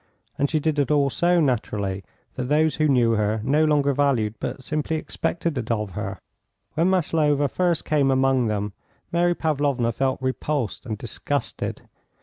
And she did it all so naturally that those who knew her no longer valued but simply expected it of her. When Maslova first came among them, Mary Pavlovna felt repulsed and disgusted.